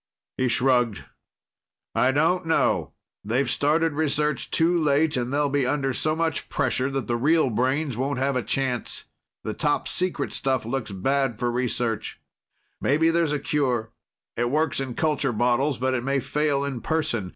He shrugged. "I don't know. They've started research too late and they'll be under so much pressure that the real brains won't have a chance. The topsecret stuff looks bad for research. Maybe there's a cure. It works in culture bottles, but it may fail in person.